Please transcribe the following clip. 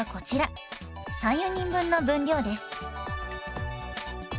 ３４人分の分量です。